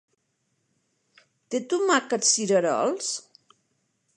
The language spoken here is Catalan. Té tomàquets cirerols?